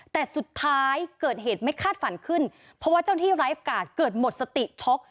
แต่สุดท้ายเกิดเหตุไม่คาดฝันขึ้นเพราะว่าเจ้าที่ไลฟ์การ์ดเกิดหมดสติช็อก